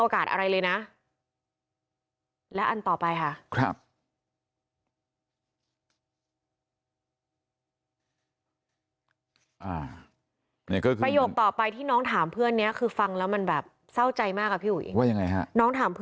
ถ้าตายแล้วแม่จะเสียใจไหม